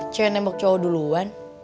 cuma yang nembak cowo duluan